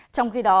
trong khi đó